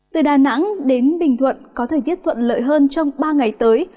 từ đà nẵng đến bình thuận có thời tiết thuận lợi hơn trong ba ngày tới